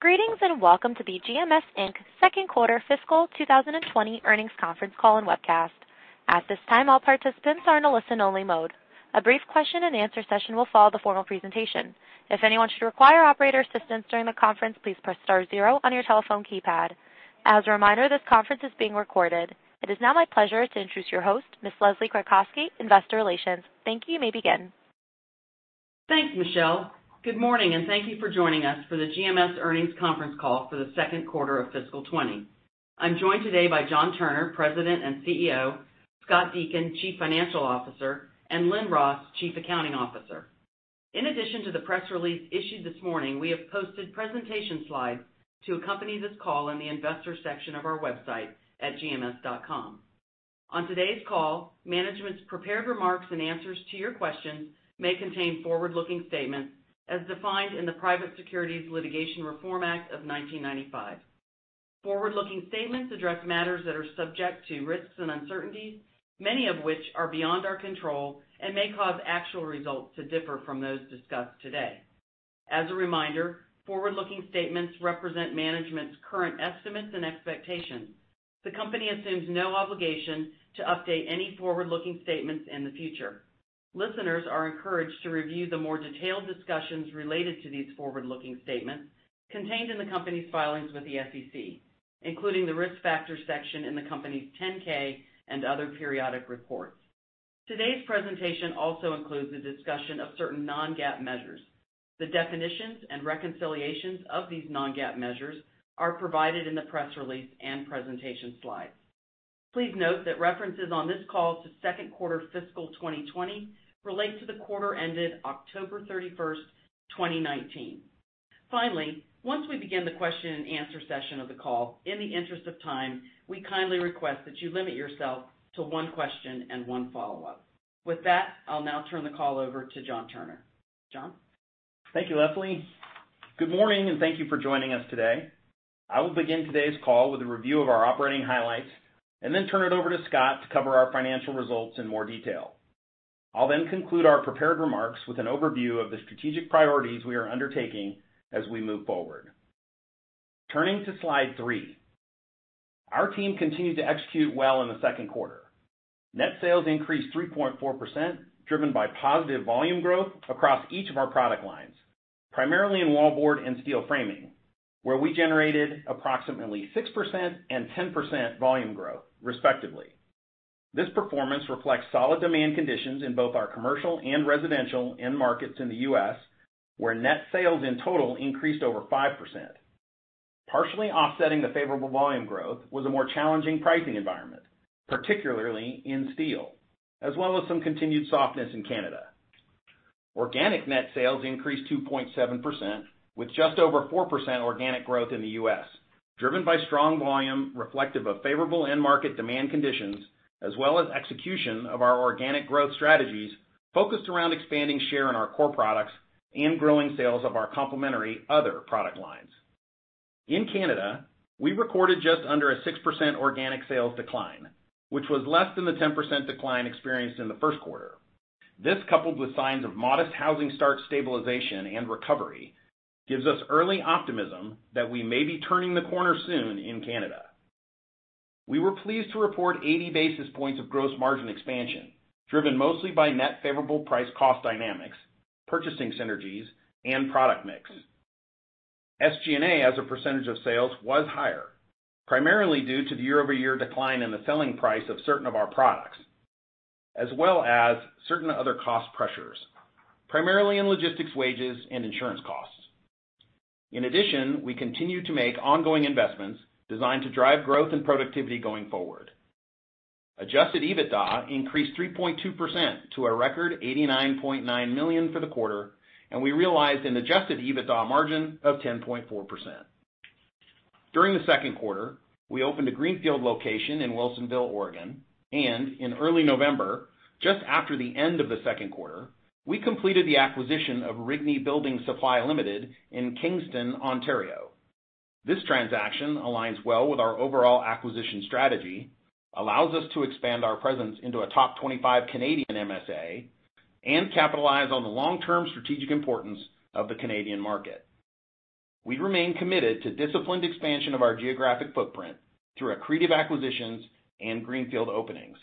Greetings, welcome to the GMS Inc. second quarter fiscal 2020 earnings conference call and webcast. At this time, all participants are in a listen-only mode. A brief question and answer session will follow the formal presentation. If anyone should require operator assistance during the conference, please press star zero on your telephone keypad. As a reminder, this conference is being recorded. It is now my pleasure to introduce your host, Ms. Leslie Kratcoski, investor relations. Thank you. You may begin. Thanks, Michelle. Good morning, and thank you for joining us for the GMS earnings conference call for the second quarter of fiscal 2020. I'm joined today by John Turner, President and Chief Executive Officer, Scott Deakin, Chief Financial Officer, and Lynn Ross, Chief Accounting Officer. In addition to the press release issued this morning, we have posted presentation slides to accompany this call in the investor section of our website at gms.com. On today's call, management's prepared remarks and answers to your questions may contain forward-looking statements as defined in the Private Securities Litigation Reform Act of 1995. Forward-looking statements address matters that are subject to risks and uncertainties, many of which are beyond our control and may cause actual results to differ from those discussed today. As a reminder, forward-looking statements represent management's current estimates and expectations. The company assumes no obligation to update any forward-looking statements in the future. Listeners are encouraged to review the more detailed discussions related to these forward-looking statements contained in the company's filings with the SEC, including the risk factors section in the company's 10-K and other periodic reports. Today's presentation also includes a discussion of certain non-GAAP measures. The definitions and reconciliations of these non-GAAP measures are provided in the press release and presentation slides. Please note that references on this call to second quarter fiscal 2020 relate to the quarter ended October 31st, 2019. Finally, once we begin the question and answer session of the call, in the interest of time, we kindly request that you limit yourself to one question and one follow-up. With that, I'll now turn the call over to John Turner. John? Thank you, Leslie. Good morning, and thank you for joining us today. I will begin today's call with a review of our operating highlights and then turn it over to Scott to cover our financial results in more detail. I'll conclude our prepared remarks with an overview of the strategic priorities we are undertaking as we move forward. Turning to Slide three. Our team continued to execute well in the second quarter. Net sales increased 3.4%, driven by positive volume growth across each of our product lines, primarily in wallboard and steel framing, where we generated approximately 6% and 10% volume growth, respectively. This performance reflects solid demand conditions in both our commercial and residential end markets in the U.S., where net sales in total increased over 5%. Partially offsetting the favorable volume growth was a more challenging pricing environment, particularly in steel, as well as some continued softness in Canada. Organic net sales increased 2.7% with just over 4% organic growth in the U.S., driven by strong volume reflective of favorable end-market demand conditions as well as execution of our organic growth strategies focused around expanding share in our core products and growing sales of our complementary other product lines. In Canada, we recorded just under a 6% organic sales decline, which was less than the 10% decline experienced in the first quarter. This, coupled with signs of modest housing start stabilization and recovery, gives us early optimism that we may be turning the corner soon in Canada. We were pleased to report 80 basis points of gross margin expansion, driven mostly by net favorable price-cost dynamics, purchasing synergies, and product mix. SG&A as a % of sales was higher, primarily due to the year-over-year decline in the selling price of certain of our products, as well as certain other cost pressures, primarily in logistics wages and insurance costs. We continue to make ongoing investments designed to drive growth and productivity going forward. Adjusted EBITDA increased 3.2% to a record $89.9 million for the quarter, we realized an adjusted EBITDA margin of 10.4%. During the second quarter, we opened a greenfield location in Wilsonville, Oregon. In early November, just after the end of the second quarter, we completed the acquisition of Rigney Building Supplies LTD. in Kingston, Ontario. This transaction aligns well with our overall acquisition strategy, allows us to expand our presence into a top 25 Canadian MSA, and capitalize on the long-term strategic importance of the Canadian market. We remain committed to disciplined expansion of our geographic footprint through accretive acquisitions and greenfield openings.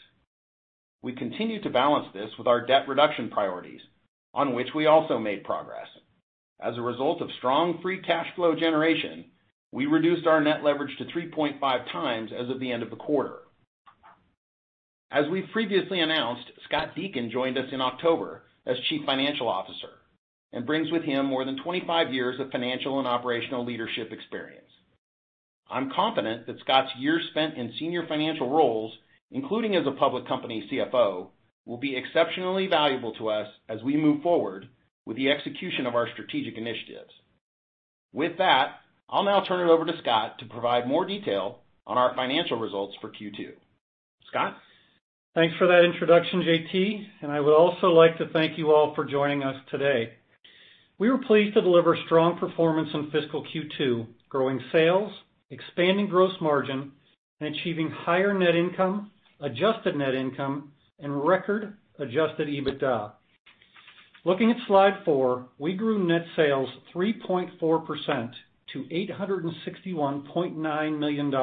We continue to balance this with our debt reduction priorities, on which we also made progress. As a result of strong free cash flow generation, we reduced our net leverage to 3.5 times as of the end of the quarter. As we previously announced, Scott Deakin joined us in October as Chief Financial Officer and brings with him more than 25 years of financial and operational leadership experience. I'm confident that Scott's years spent in senior financial roles, including as a public company CFO, will be exceptionally valuable to us as we move forward with the execution of our strategic initiatives. With that, I'll now turn it over to Scott to provide more detail on our financial results for Q2. Scott? Thanks for that introduction, JT, and I would also like to thank you all for joining us today. We were pleased to deliver strong performance in fiscal Q2, growing sales, expanding gross margin and achieving higher net income, adjusted net income and record adjusted EBITDA. Looking at slide four, we grew net sales 3.4% to $861.9 million,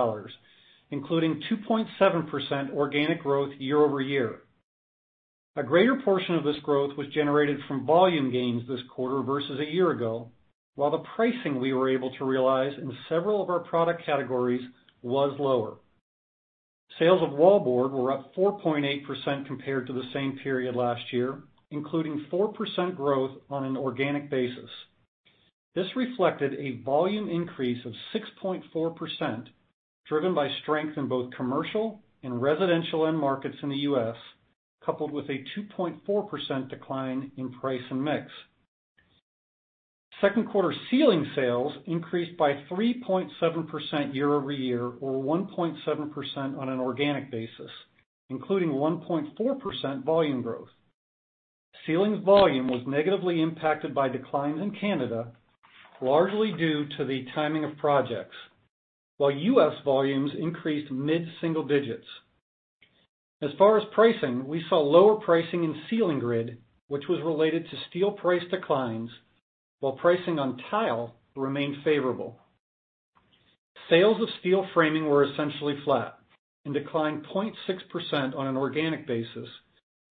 including 2.7% organic growth year-over-year. A greater portion of this growth was generated from volume gains this quarter versus a year ago, while the pricing we were able to realize in several of our product categories was lower. Sales of wallboard were up 4.8% compared to the same period last year, including 4% growth on an organic basis. This reflected a volume increase of 6.4%, driven by strength in both commercial and residential end markets in the U.S., coupled with a 2.4% decline in price and mix. Second quarter ceiling sales increased by 3.7% year-over-year, or 1.7% on an organic basis, including 1.4% volume growth. Ceilings volume was negatively impacted by decline in Canada, largely due to the timing of projects, while U.S. volumes increased mid-single digits. As far as pricing, we saw lower pricing in ceiling grid, which was related to steel price declines, while pricing on tile remained favorable. Sales of steel framing were essentially flat and declined 0.6% on an organic basis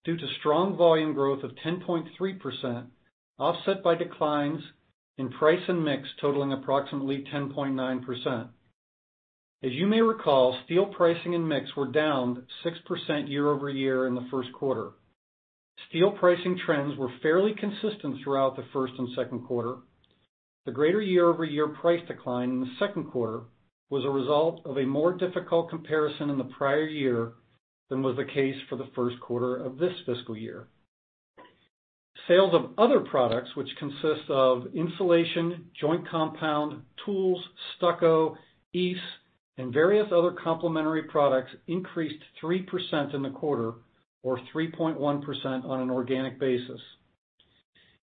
due to strong volume growth of 10.3%, offset by declines in price and mix totaling approximately 10.9%. As you may recall, steel pricing and mix were down 6% year-over-year in the first quarter. Steel pricing trends were fairly consistent throughout the first and second quarter. The greater year-over-year price decline in the second quarter was a result of a more difficult comparison in the prior year than was the case for the first quarter of this fiscal year. Sales of other products, which consist of insulation, joint compound, tools, stucco, EIFS, and various other complementary products, increased 3% in the quarter, or 3.1% on an organic basis.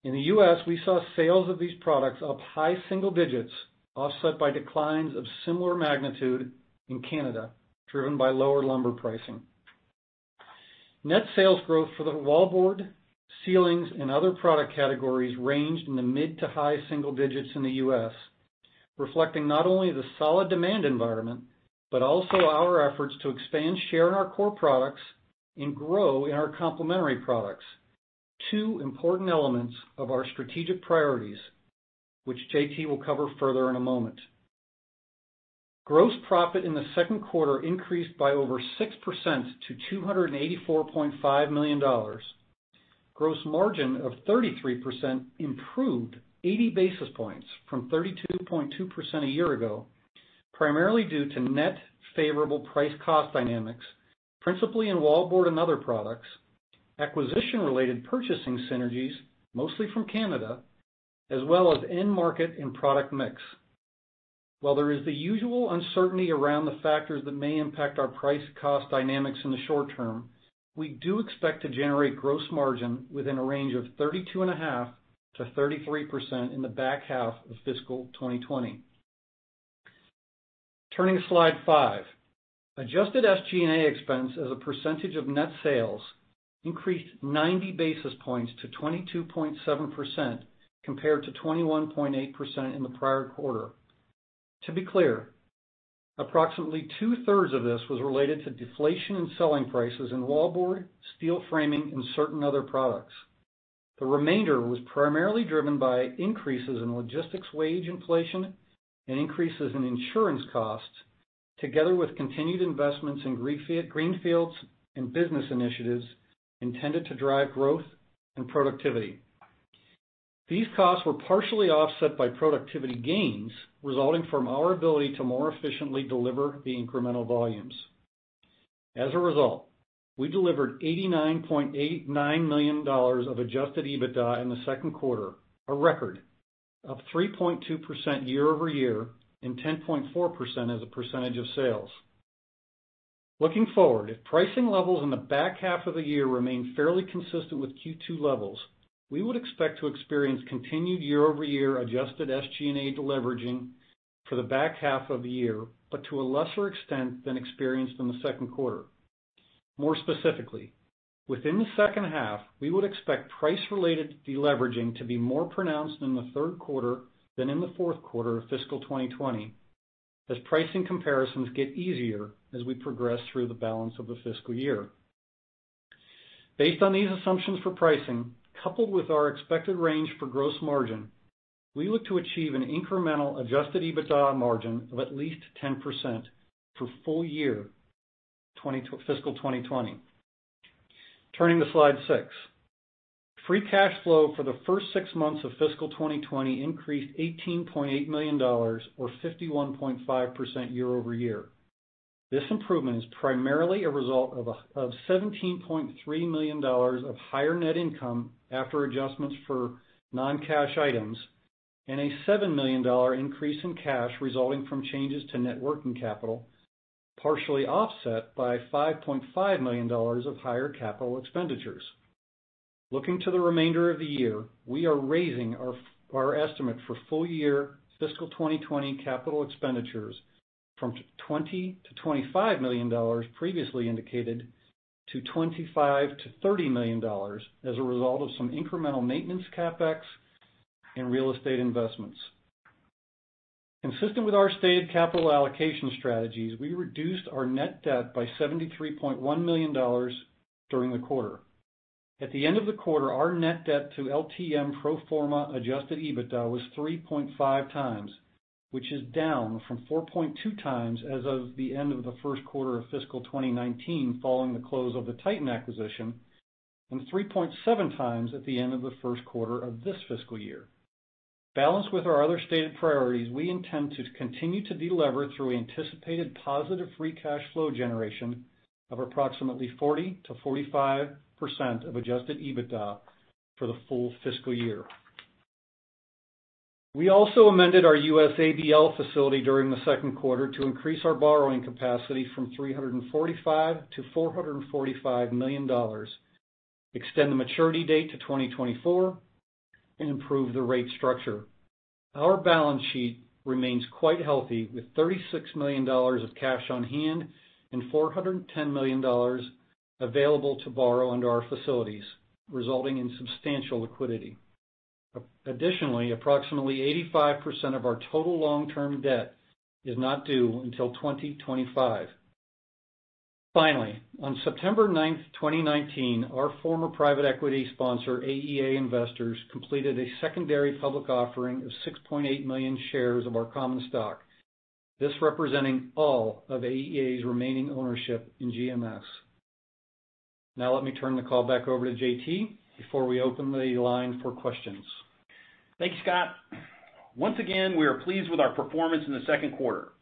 In the U.S., we saw sales of these products up high single digits, offset by declines of similar magnitude in Canada, driven by lower lumber pricing. Net sales growth for the wallboard, ceilings, and other product categories ranged in the mid to high single digits in the U.S., reflecting not only the solid demand environment, but also our efforts to expand share in our core products and grow in our complementary products. Two important elements of our strategic priorities, which JT will cover further in a moment. Gross profit in the second quarter increased by over 6% to $284.5 million. Gross margin of 33% improved 80 basis points from 32.2% a year ago, primarily due to net favorable price-cost dynamics, principally in wallboard and other products, acquisition-related purchasing synergies, mostly from Canada, as well as end market and product mix. While there is the usual uncertainty around the factors that may impact our price cost dynamics in the short term, we do expect to generate gross margin within a range of 32.5%-33% in the back half of fiscal 2020. Turning to slide five. Adjusted SG&A expense as a percentage of net sales increased 90 basis points to 22.7%, compared to 21.8% in the prior quarter. To be clear, approximately two-thirds of this was related to deflation in selling prices in wallboard, steel framing, and certain other products. The remainder was primarily driven by increases in logistics wage inflation and increases in insurance costs, together with continued investments in greenfields and business initiatives intended to drive growth and productivity. These costs were partially offset by productivity gains resulting from our ability to more efficiently deliver the incremental volumes. As a result, we delivered $89.89 million of adjusted EBITDA in the second quarter, a record, up 3.2% year-over-year and 10.4% as a percentage of sales. Looking forward, if pricing levels in the back half of the year remain fairly consistent with Q2 levels, we would expect to experience continued year-over-year adjusted SG&A deleveraging for the back half of the year, but to a lesser extent than experienced in the second quarter. More specifically, within the second half, we would expect price-related deleveraging to be more pronounced in the third quarter than in the fourth quarter of fiscal 2020, as pricing comparisons get easier as we progress through the balance of the fiscal year. Based on these assumptions for pricing, coupled with our expected range for gross margin, we look to achieve an incremental adjusted EBITDA margin of at least 10% for full year fiscal 2020. Turning to slide six. Free cash flow for the first six months of fiscal 2020 increased $18.8 million, or 51.5% year-over-year. This improvement is primarily a result of $17.3 million of higher net income after adjustments for non-cash items and a $7 million increase in cash resulting from changes to net working capital, partially offset by $5.5 million of higher capital expenditures. Looking to the remainder of the year, we are raising our estimate for full year fiscal 2020 capital expenditures from $20 million-$25 million previously indicated to $25 million-$30 million as a result of some incremental maintenance CapEx and real estate investments. Consistent with our stated capital allocation strategies, we reduced our net debt by $73.1 million during the quarter. At the end of the quarter, our net debt to LTM pro forma adjusted EBITDA was 3.5 times, which is down from 4.2 times as of the end of the first quarter of fiscal 2019 following the close of the Titan acquisition, and 3.7 times at the end of the first quarter of this fiscal year. Balanced with our other stated priorities, we intend to continue to delever through anticipated positive free cash flow generation of approximately 40%-45% of adjusted EBITDA for the full fiscal year. We also amended our U.S. ABL facility during the second quarter to increase our borrowing capacity from $345 million to $445 million, extend the maturity date to 2024, and improve the rate structure. Our balance sheet remains quite healthy, with $36 million of cash on hand and $410 million available to borrow under our facilities, resulting in substantial liquidity. Additionally, approximately 85% of our total long-term debt is not due until 2025. Finally, on September ninth, 2019, our former private equity sponsor, AEA Investors, completed a secondary public offering of 6.8 million shares of our common stock, this representing all of AEA's remaining ownership in GMS. Now let me turn the call back over to JT before we open the line for questions. Thank you, Scott. Once again, we are pleased with our performance in the second quarter.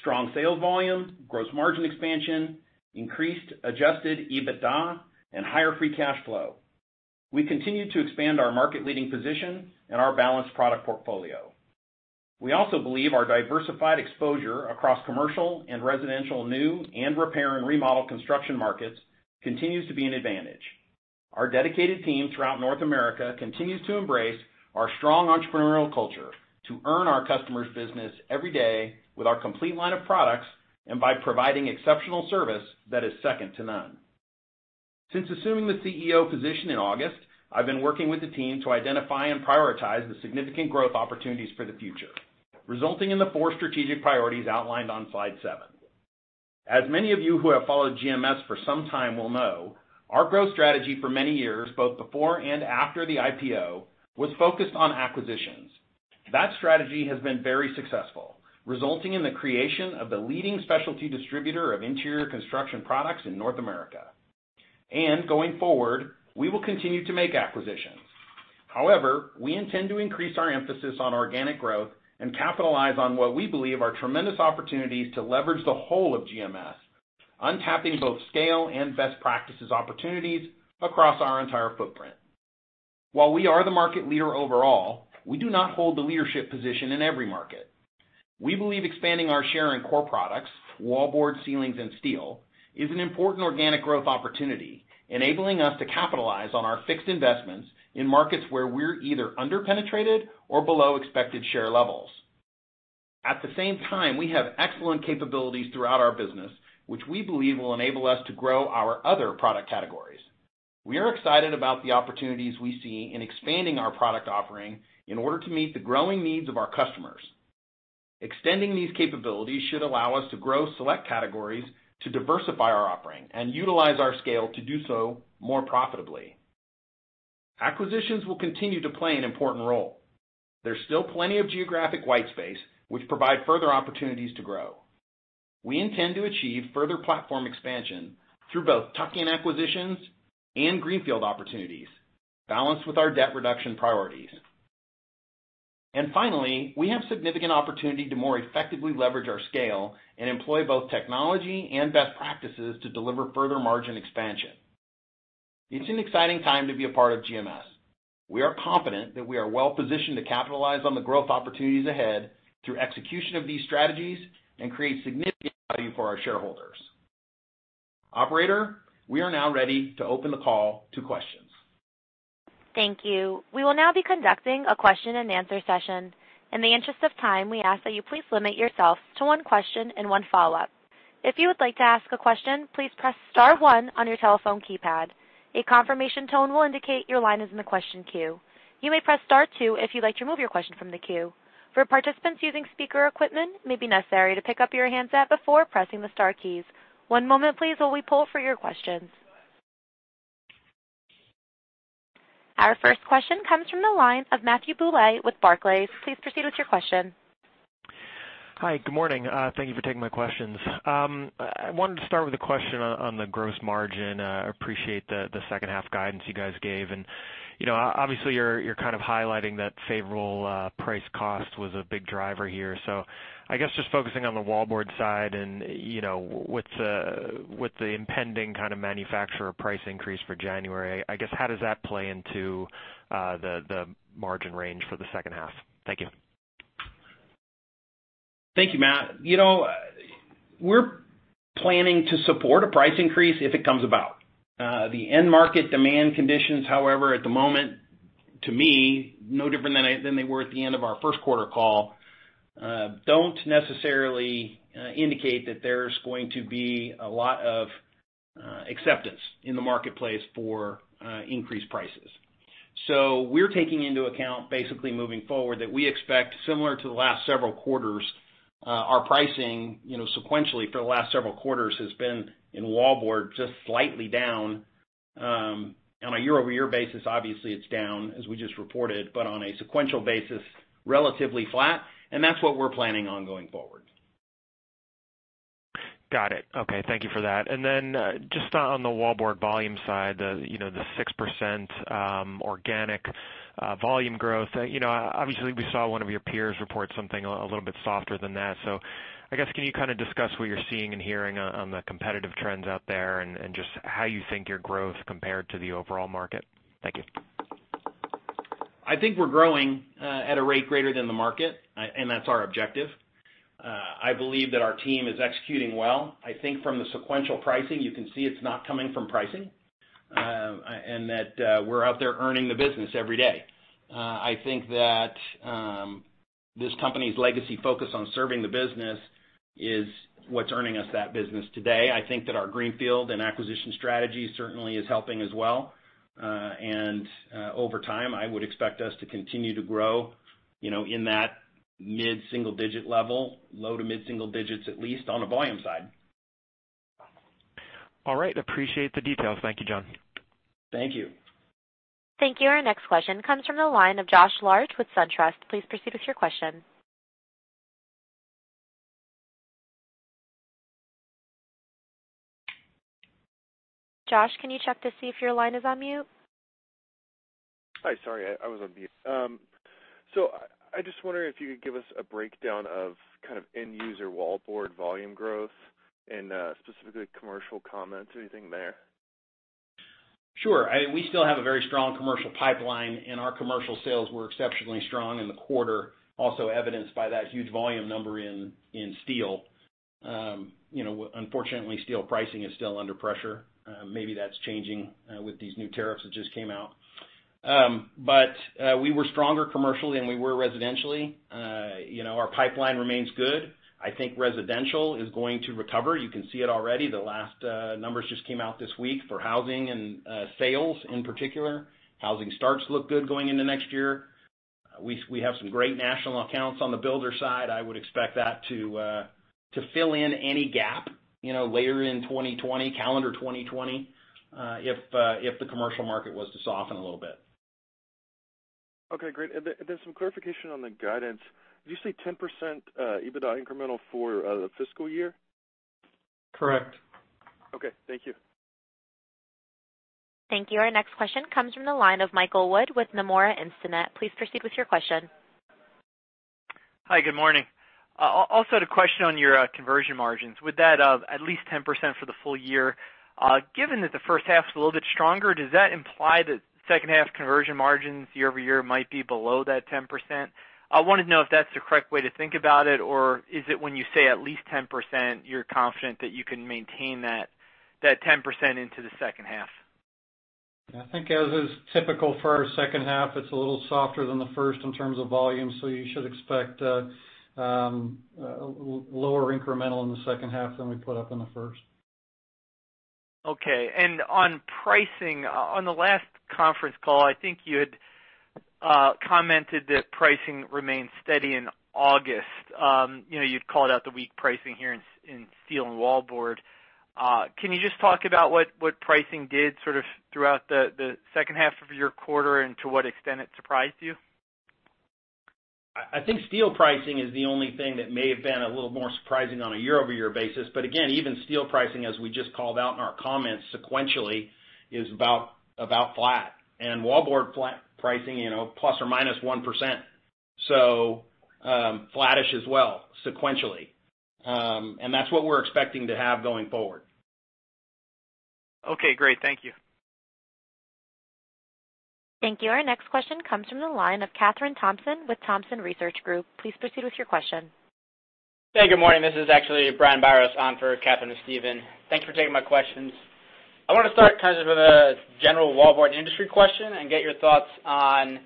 Strong sales volume, gross margin expansion, increased adjusted EBITDA, and higher free cash flow. We continue to expand our market-leading position and our balanced product portfolio. We also believe our diversified exposure across commercial and residential new & repair and remodel construction markets continues to be an advantage. Our dedicated team throughout North America continues to embrace our strong entrepreneurial culture to earn our customers' business every day with our complete line of products and by providing exceptional service that is second to none. Since assuming the CEO position in August, I've been working with the team to identify and prioritize the significant growth opportunities for the future, resulting in the four strategic priorities outlined on slide seven. As many of you who have followed GMS for some time will know, our growth strategy for many years, both before and after the IPO, was focused on acquisitions. That strategy has been very successful, resulting in the creation of the leading specialty distributor of interior construction products in North America. Going forward, we will continue to make acquisitions. However, we intend to increase our emphasis on organic growth and capitalize on what we believe are tremendous opportunities to leverage the whole of GMS, untapping both scale and best practices opportunities across our entire footprint. While we are the market leader overall, we do not hold the leadership position in every market. We believe expanding our share in core products, wallboard, ceilings, and steel, is an important organic growth opportunity, enabling us to capitalize on our fixed investments in markets where we're either under-penetrated or below expected share levels. At the same time, we have excellent capabilities throughout our business, which we believe will enable us to grow our other product categories. We are excited about the opportunities we see in expanding our product offering in order to meet the growing needs of our customers. Extending these capabilities should allow us to grow select categories to diversify our offering and utilize our scale to do so more profitably. Acquisitions will continue to play an important role. There's still plenty of geographic white space, which provide further opportunities to grow. We intend to achieve further platform expansion through both tuck-in acquisitions and greenfield opportunities, balanced with our debt reduction priorities. Finally, we have significant opportunity to more effectively leverage our scale and employ both technology and best practices to deliver further margin expansion. It's an exciting time to be a part of GMS. We are confident that we are well positioned to capitalize on the growth opportunities ahead through execution of these strategies and create significant value for our shareholders. Operator, we are now ready to open the call to questions. Thank you. We will now be conducting a question and answer session. In the interest of time, we ask that you please limit yourself to one question and one follow-up. If you would like to ask a question, please press star one on your telephone keypad. A confirmation tone will indicate your line is in the question queue. You may press star two if you'd like to remove your question from the queue. For participants using speaker equipment, it may be necessary to pick up your handset before pressing the star keys. One moment please while we poll for your questions. Our first question comes from the line of Matthew Bouley with Barclays. Please proceed with your question. Hi, good morning. Thank you for taking my questions. I wanted to start with a question on the gross margin. Obviously you're kind of highlighting that favorable price cost was a big driver here. I guess just focusing on the wallboard side and with the impending kind of manufacturer price increase for January, I guess how does that play into the margin range for the second half? Thank you. Thank you, Matt. We're planning to support a price increase if it comes about. The end market demand conditions, however, at the moment, to me, no different than they were at the end of our first quarter call, don't necessarily indicate that there's going to be a lot of acceptance in the marketplace for increased prices. We're taking into account basically moving forward, that we expect similar to the last several quarters, our pricing sequentially for the last several quarters has been in wallboard, just slightly down. On a year-over-year basis, obviously, it's down, as we just reported, but on a sequential basis, relatively flat, and that's what we're planning on going forward. Got it. Okay. Thank you for that. Just on the wallboard volume side, the 6% organic volume growth. Obviously, we saw one of your peers report something a little bit softer than that. I guess, can you kind of discuss what you're seeing and hearing on the competitive trends out there and just how you think your growth compared to the overall market? Thank you. I think we're growing at a rate greater than the market, and that's our objective. I believe that our team is executing well. I think from the sequential pricing, you can see it's not coming from pricing, and that we're out there earning the business every day. I think that this company's legacy focus on serving the business is what's earning us that business today. I think that our greenfield and acquisition strategy certainly is helping as well. Over time, I would expect us to continue to grow in that mid-single-digit level, low-to-mid single digits, at least on the volume side. All right. Appreciate the details. Thank you, John. Thank you. Thank you. Our next question comes from the line of Josh Levin with SunTrust. Please proceed with your question. Josh, can you check to see if your line is on mute? Hi. Sorry, I was on mute. I just wonder if you could give us a breakdown of kind of end-user wallboard volume growth and specifically commercial comments or anything there. Sure. We still have a very strong commercial pipeline, and our commercial sales were exceptionally strong in the quarter, also evidenced by that huge volume number in steel. Unfortunately, steel pricing is still under pressure. Maybe that's changing with these new tariffs that just came out. We were stronger commercially than we were residentially. Our pipeline remains good. I think residential is going to recover. You can see it already. The last numbers just came out this week for housing and sales in particular. Housing starts look good going into next year. We have some great national accounts on the builder side. I would expect that to fill in any gap later in calendar 2020, if the commercial market was to soften a little bit. Okay, great. Some clarification on the guidance. Did you say 10% EBITDA incremental for the fiscal year? Correct. Okay, thank you. Thank you. Our next question comes from the line of Michael Wood with Nomura Instinet. Please proceed with your question. Hi, good morning. Also had a question on your conversion margins. With that at least 10% for the full year, given that the first half is a little bit stronger, does that imply that second half conversion margins year-over-year might be below that 10%? I wanted to know if that's the correct way to think about it, or is it when you say at least 10%, you're confident that you can maintain that 10% into the second half? I think as is typical for our second half, it's a little softer than the first in terms of volume, so you should expect lower incremental in the second half than we put up in the first. Okay. On pricing, on the last conference call, I think you had commented that pricing remained steady in August. You'd called out the weak pricing here in steel and wallboard. Can you just talk about what pricing did sort of throughout the second half of your quarter and to what extent it surprised you? I think steel pricing is the only thing that may have been a little more surprising on a year-over-year basis. Again, even steel pricing, as we just called out in our comments sequentially, is about flat. Wallboard pricing, ±1%. Flattish as well sequentially. That's what we're expecting to have going forward. Okay, great. Thank you. Thank you. Our next question comes from the line of Kathryn Thompson with Thompson Research Group. Please proceed with your question. Hey, good morning. This is actually Brian Biros on for Kathryn Thompson and Steven. Thank you for taking my questions. I want to start kind of with a general wallboard industry question and get your thoughts on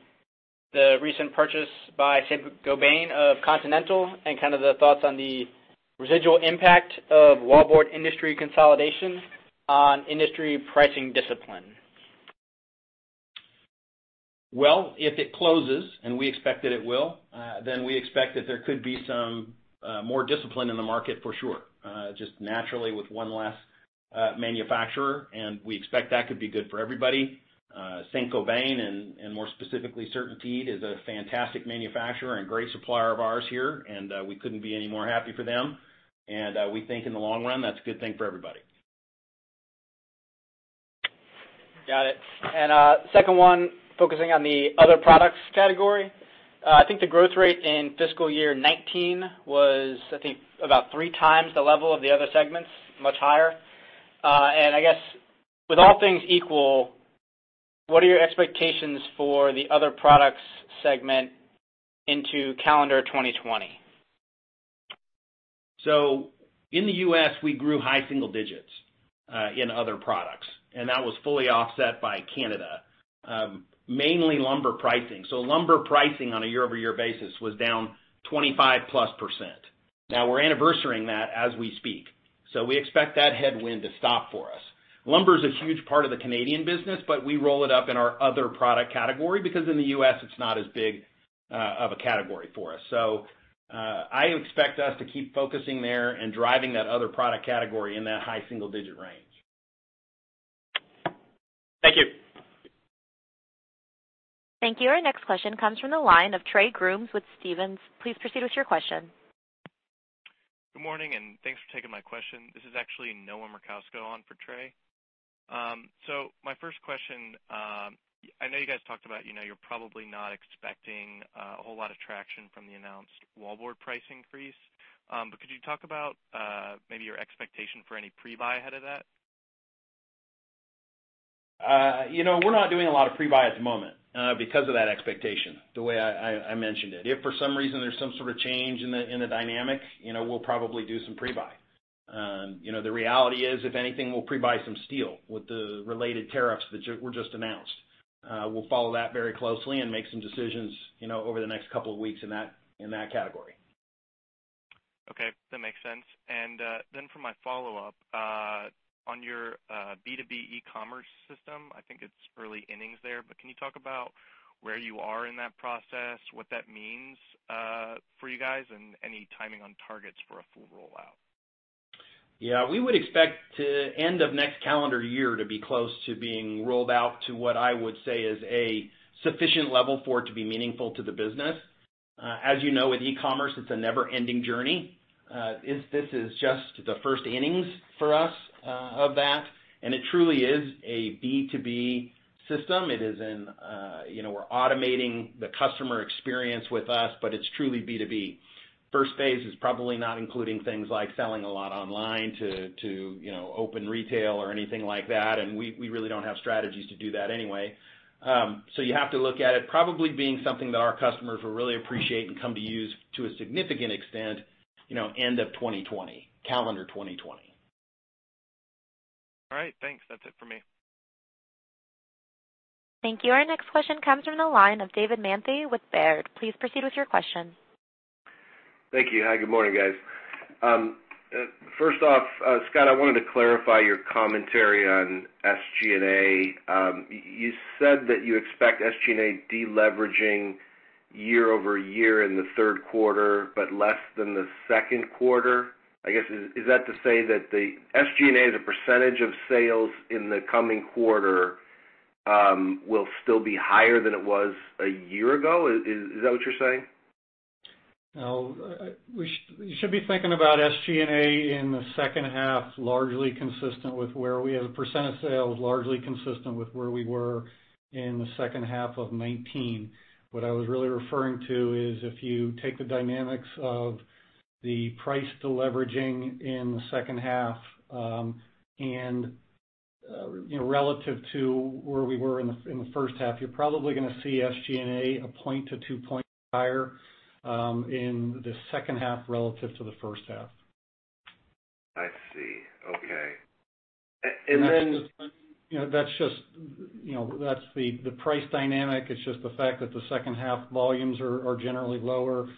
the recent purchase by Saint-Gobain of Continental Building Products, and kind of the thoughts on the residual impact of wallboard industry consolidation on industry pricing discipline. Well, if it closes, and we expect that it will, then we expect that there could be some more discipline in the market for sure, just naturally with one last manufacturer, and we expect that could be good for everybody. Saint-Gobain and more specifically CertainTeed, is a fantastic manufacturer and great supplier of ours here, and we couldn't be any more happy for them. We think in the long run, that's a good thing for everybody. Got it. Second one, focusing on the other products category. I think the growth rate in fiscal year 2019 was, I think, about three times the level of the other segments, much higher. I guess with all things equal, what are your expectations for the other products segment into calendar 2020? In the U.S., we grew high single-digits in other products, and that was fully offset by Canada, mainly lumber pricing. Lumber pricing on a year-over-year basis was down 25%+. Now we're anniversarying that as we speak, we expect that headwind to stop for us. Lumber is a huge part of the Canadian business, we roll it up in our other product category because in the U.S. it's not as big of a category for us. I expect us to keep focusing there and driving that other product category in that high single-digit range. Thank you. Thank you. Our next question comes from the line of Trey Grooms with Stephens. Please proceed with your question. Good morning. Thanks for taking my question. This is actually Noah Merkousko on for Trey. My first question, I know you guys talked about you're probably not expecting a whole lot of traction from the announced wallboard price increase. Could you talk about maybe your expectation for any pre-buy ahead of that? We're not doing a lot of pre-buy at the moment because of that expectation, the way I mentioned it. If for some reason there's some sort of change in the dynamic, we'll probably do some pre-buy. The reality is, if anything, we'll pre-buy some steel with the related tariffs that were just announced. We'll follow that very closely and make some decisions over the next couple of weeks in that category. Okay. That makes sense. For my follow-up, on your B2B e-commerce system, I think it's early innings there, but can you talk about where you are in that process, what that means for you guys, and any timing on targets for a full rollout? Yeah. We would expect to end of next calendar year to be close to being rolled out to what I would say is a sufficient level for it to be meaningful to the business. As you know, with e-commerce, it's a never-ending journey. This is just the first innings for us of that, and it truly is a B2B system. We're automating the customer experience with us, but it's truly B2B. First phase is probably not including things like selling a lot online to open retail or anything like that, and we really don't have strategies to do that anyway. You have to look at it probably being something that our customers will really appreciate and come to use to a significant extent end of 2020, calendar 2020. All right. Thanks. That's it for me. Thank you. Our next question comes from the line of David Manthey with Baird. Please proceed with your question. Thank you. Hi, good morning, guys. First off, Scott, I wanted to clarify your commentary on SG&A. You said that you expect SG&A deleveraging year-over-year in the third quarter, but less than the second quarter. I guess, is that to say that the SG&A as a percentage of sales in the coming quarter will still be higher than it was a year ago? Is that what you're saying? No. You should be thinking about SG&A in the second half largely consistent with where we have a % of sales, largely consistent with where we were in the second half of 2019. What I was really referring to is if you take the dynamics of the price deleveraging in the second half, and relative to where we were in the first half, you're probably going to see SG&A a point to two points higher in the second half relative to the first half. I see. Okay. That's the price dynamic. It's just the fact that the second half volumes are generally lower,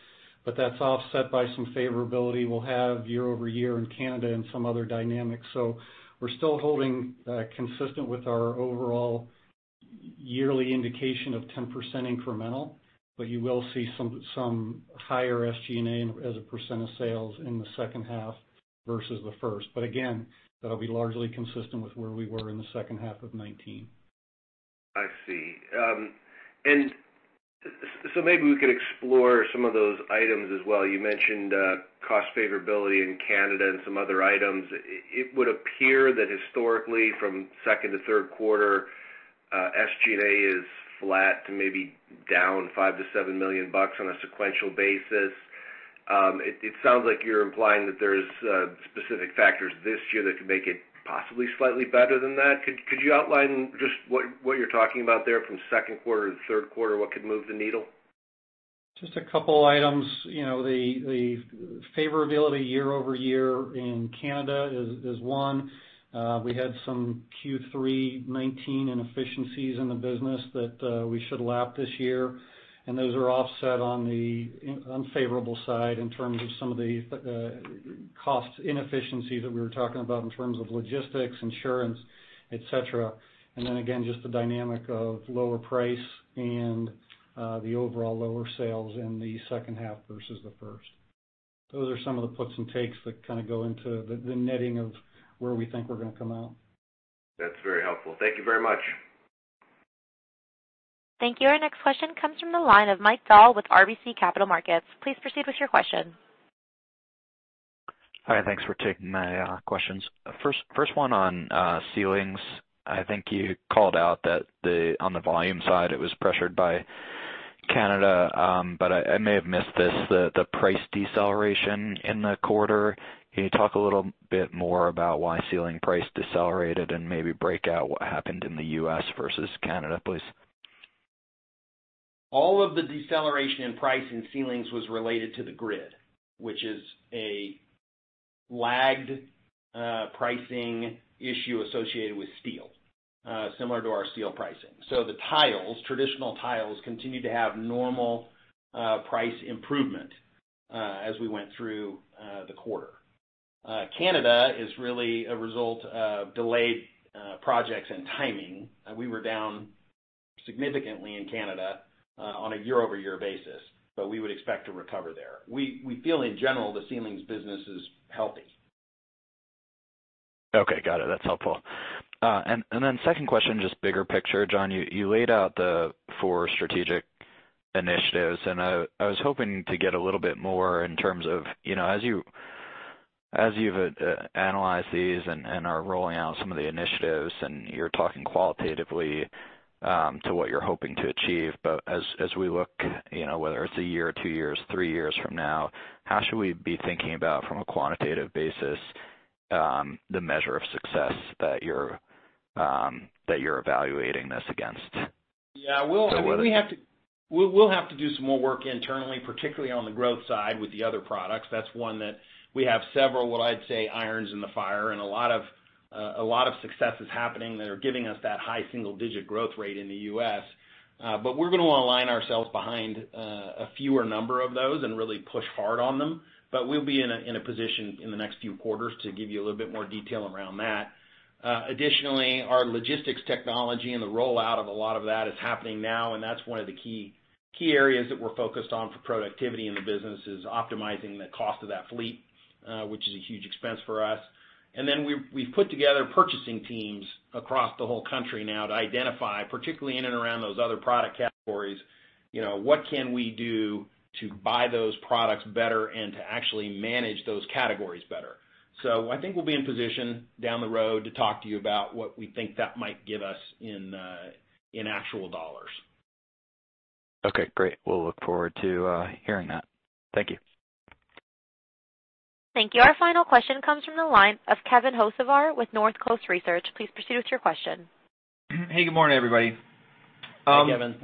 but that's offset by some favorability we'll have year-over-year in Canada and some other dynamics. We're still holding consistent with our overall yearly indication of 10% incremental, but you will see some higher SG&A as a percent of sales in the second half versus the first. Again, that'll be largely consistent with where we were in the second half of 2019. I see. Maybe we could explore some of those items as well. You mentioned cost favorability in Canada and some other items. It would appear that historically from second to third quarter, SG&A is flat to maybe down $5 million-$7 million on a sequential basis. It sounds like you're implying that there's specific factors this year that could make it possibly slightly better than that. Could you outline just what you're talking about there from second quarter to third quarter, what could move the needle? Just a couple items. The favorability year-over-year in Canada is one. We had some Q3 2019 inefficiencies in the business that we should lap this year, and those are offset on the unfavorable side in terms of some of the cost inefficiencies that we were talking about in terms of logistics, insurance, et cetera. Again, just the dynamic of lower price and the overall lower sales in the second half versus the first. Those are some of the puts and takes that kind of go into the netting of where we think we're going to come out. That's very helpful. Thank you very much. Thank you. Our next question comes from the line of Mike Dahl with RBC Capital Markets. Please proceed with your question. Hi, thanks for taking my questions. First one on ceilings. I think you called out that on the volume side, it was pressured by Canada, but I may have missed this, the price deceleration in the quarter. Can you talk a little bit more about why ceiling price decelerated and maybe break out what happened in the U.S. versus Canada, please? All of the deceleration in price in ceilings was related to the grid, which is a lagged pricing issue associated with steel, similar to our steel pricing. The tiles, traditional tiles, continue to have normal price improvement as we went through the quarter. Canada is really a result of delayed projects and timing. We were down significantly in Canada on a year-over-year basis, but we would expect to recover there. We feel in general, the ceilings business is healthy. Okay, got it. That's helpful. Second question, just bigger picture, John. You laid out the four strategic initiatives, and I was hoping to get a little bit more in terms of, as you've analyzed these and are rolling out some of the initiatives, and you're talking qualitatively to what you're hoping to achieve. As we look, whether it's a year or two years, three years from now, how should we be thinking about, from a quantitative basis, the measure of success that you're evaluating this against? Yeah. So whether- We'll have to do some more work internally, particularly on the growth side with the other products. That's one that we have several, what I'd say, irons in the fire and a lot of successes happening that are giving us that high single-digit growth rate in the U.S. We're going to want to align ourselves behind a fewer number of those and really push hard on them. We'll be in a position in the next few quarters to give you a little bit more detail around that. Additionally, our logistics technology and the rollout of a lot of that is happening now, and that's one of the key areas that we're focused on for productivity in the business, is optimizing the cost of that fleet, which is a huge expense for us. Then we've put together purchasing teams across the whole country now to identify, particularly in and around those other product categories, what can we do to buy those products better and to actually manage those categories better. I think we'll be in position down the road to talk to you about what we think that might give us in actual dollars. Okay, great. We'll look forward to hearing that. Thank you. Thank you. Our final question comes from the line of Kevin Hocevar with Northcoast Research. Please proceed with your question. Hey, good morning, everybody. Hey, Kevin.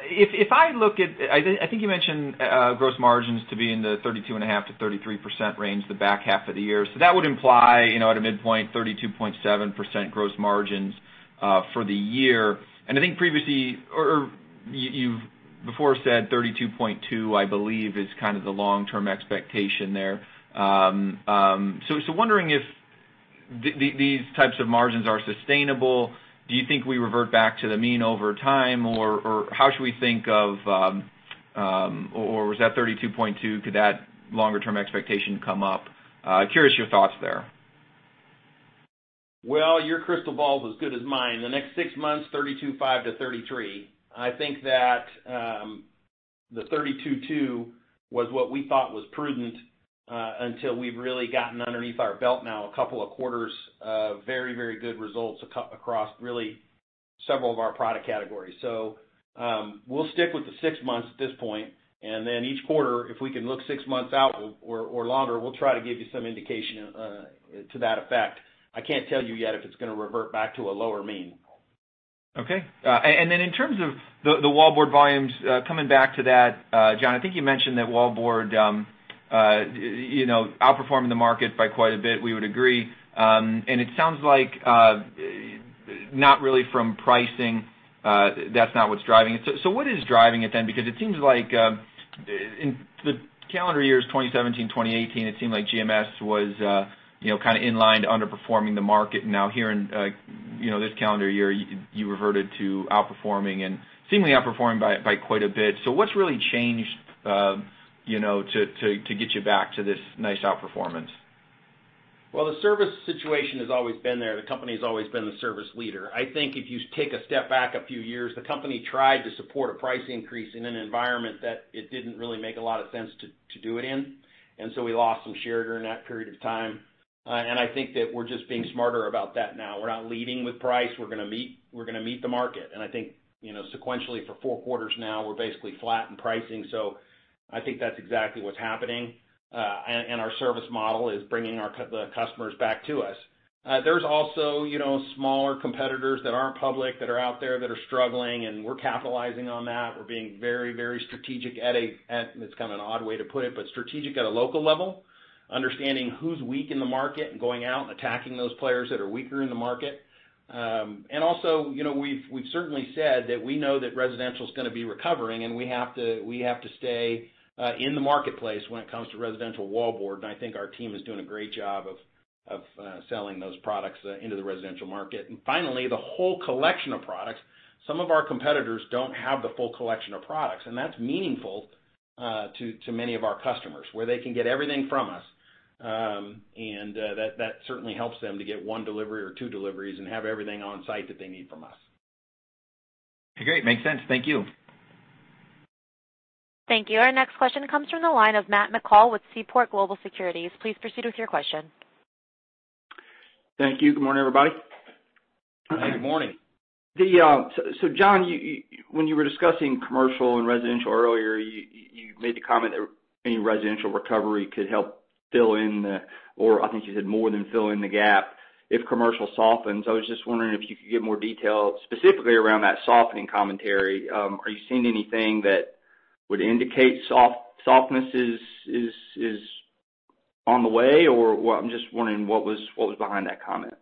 I think you mentioned gross margins to be in the 32.5%-33% range the back half of the year. That would imply, at a midpoint, 32.7% gross margins for the year. I think previously, or you've before said 32.2, I believe, is kind of the long-term expectation there. Wondering if these types of margins are sustainable, do you think we revert back to the mean over time, or how should we think of Or was that 32.2, could that longer term expectation come up? Curious your thoughts there. Well, your crystal ball is as good as mine. The next six months, 32.5 to 33. I think that the 32.2 was what we thought was prudent until we've really gotten underneath our belt now a couple of quarters of very good results across really several of our product categories. We'll stick with the six months at this point, and then each quarter, if we can look six months out or longer, we'll try to give you some indication to that effect. I can't tell you yet if it's going to revert back to a lower mean. Okay. In terms of the wallboard volumes, coming back to that, John, I think you mentioned that wallboard outperforming the market by quite a bit, we would agree. It sounds like not really from pricing, that's not what's driving it. What is driving it then? It seems like, in the calendar years 2017, 2018, it seemed like GMS was kind of in line to underperforming the market. Now here in this calendar year, you reverted to outperforming and seemingly outperformed by quite a bit. What's really changed to get you back to this nice outperformance? Well, the service situation has always been there. The company's always been the service leader. I think if you take a step back a few years, the company tried to support a price increase in an environment that it didn't really make a lot of sense to do it in. We lost some share during that period of time. I think that we're just being smarter about that now. We're not leading with price. We're going to meet the market. I think, sequentially for four quarters now, we're basically flat in pricing. I think that's exactly what's happening. Our service model is bringing the customers back to us. There's also smaller competitors that aren't public that are out there that are struggling, and we're capitalizing on that. We're being very strategic, it's kind of an odd way to put it, but strategic at a local level, understanding who's weak in the market and going out and attacking those players that are weaker in the market. Also, we've certainly said that we know that residential is going to be recovering, and we have to stay in the marketplace when it comes to residential wallboard. I think our team is doing a great job of selling those products into the residential market. Finally, the whole collection of products. Some of our competitors don't have the full collection of products, and that's meaningful to many of our customers, where they can get everything from us. That certainly helps them to get one delivery or two deliveries and have everything on site that they need from us. Great. Makes sense. Thank you. Thank you. Our next question comes from the line of Matt McCall with Seaport Global Securities. Please proceed with your question. Thank you. Good morning, everybody. Good morning. John, when you were discussing commercial and residential earlier, you made the comment that any residential recovery could help fill in the I think you said more than fill in the gap. If commercial softens, I was just wondering if you could give more detail specifically around that softening commentary. Are you seeing anything that would indicate softness is on the way, or I'm just wondering what was behind that comment?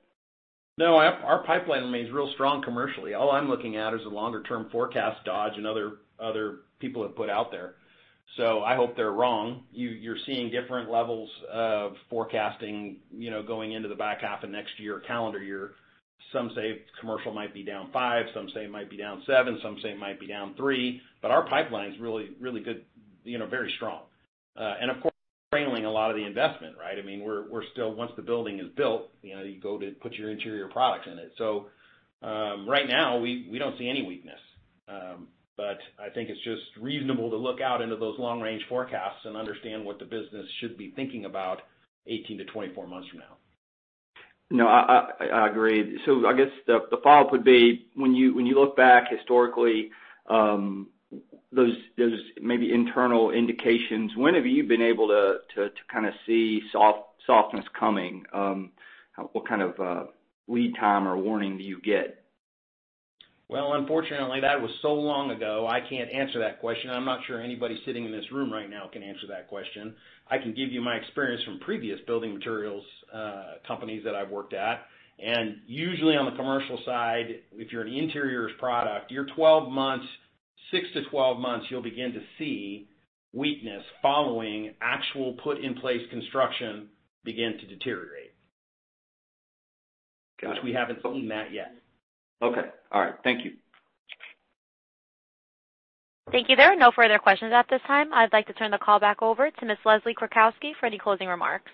Our pipeline remains real strong commercially. All I'm looking at is the longer-term forecast Dodge and other people have put out there. I hope they're wrong. You're seeing different levels of forecasting going into the back half of next year, calendar year. Some say commercial might be down five, some say it might be down seven, some say it might be down three. Our pipeline is really good, very strong. Of course, trailing a lot of the investment, right? Once the building is built, you go to put your interior products in it. Right now, we don't see any weakness. I think it's just reasonable to look out into those long-range forecasts and understand what the business should be thinking about 18-24 months from now. No, I agree. I guess the follow-up would be, when you look back historically, those maybe internal indications, when have you been able to kind of see softness coming? What kind of lead time or warning do you get? Well, unfortunately, that was so long ago, I can't answer that question. I'm not sure anybody sitting in this room right now can answer that question. I can give you my experience from previous building materials companies that I've worked at. Usually on the commercial side, if you're an interiors product, your 12 months, six to 12 months, you'll begin to see weakness following actual put in place construction begin to deteriorate. Got it. Which we haven't seen that yet. Okay. All right. Thank you. Thank you. There are no further questions at this time. I'd like to turn the call back over to Ms. Leslie Kratcoski for any closing remarks.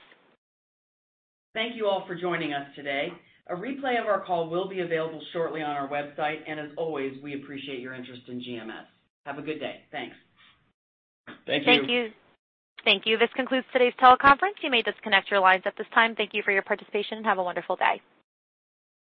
Thank you all for joining us today. A replay of our call will be available shortly on our website, and as always, we appreciate your interest in GMS. Have a good day. Thanks. Thank you. Thank you. This concludes today's teleconference. You may disconnect your lines at this time. Thank you for your participation, and have a wonderful day.